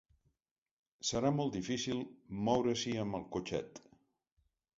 Serà molt difícil moure-s'hi amb el cotxet.